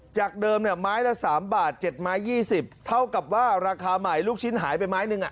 จากเดิมไม้ละ๓บาท๗ไม้๒๐เท่ากับว่าราคาใหม่ลูกชิ้นหายไปไม้หนึ่ง